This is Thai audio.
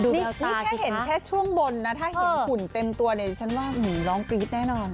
มีแค่ช่วงบนถ้าเห็นผุ่นเต็มตัวเนี้ยฉันว่างูร้องกรี๊ดแน่นอน